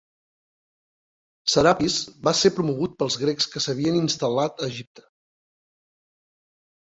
Serapis va ser promogut pels grecs que s'havien instal·lat a Egipte.